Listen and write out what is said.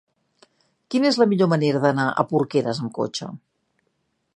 Quina és la millor manera d'anar a Porqueres amb cotxe?